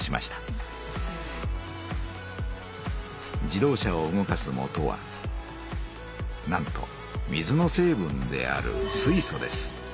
自動車を動かすもとはなんと水の成分である水素です。